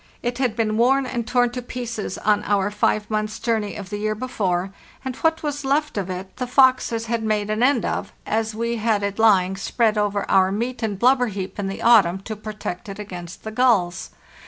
It had been worn and torn to pieces on our five months' journey of the year before, and what was left of it the foxes had 486 FARTHEST NORTH made an end of, as we had had it lying spread over our meat and blubber heap in the autumn to protect it against the gulls.